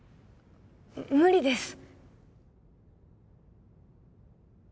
無理です。